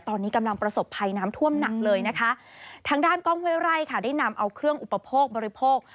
ตอนนี้กำลังประสบภัยน้ำท่วมหนักเลยนะคะทางด้านกล้องห้วยไร่ค่ะได้นำเอาเครื่องอุปโภคบริโภค